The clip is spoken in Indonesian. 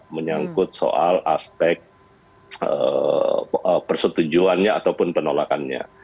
menyangkut soal aspek persetujuannya ataupun penolakannya